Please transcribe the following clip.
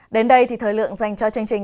đến đây thì thời lượng dành cho chương trình